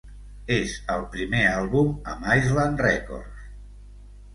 És el primer àlbum amb Island Records.